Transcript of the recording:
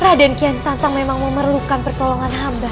raden kian santa memang memerlukan pertolongan hamba